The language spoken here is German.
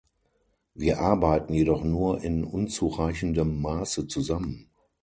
Wir arbeiten jedoch nur in unzureichendem Maße zusammen.